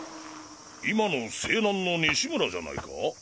今の勢南の西村じゃないか？